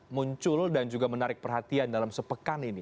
muncul dan juga menarik perhatian dalam sepekan ini